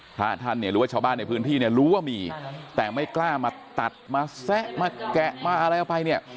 พระท่านเนี่ยหรือว่าชาวบ้านในพื้นที่เนี่ยรู้ว่ามีแต่ไม่กล้ามาตัดมาแซะมาแกะมาอะไรเอาไปเนี่ย